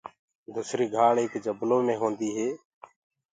دُسري گھآݪ ایک جبلو مي هوندي هي۔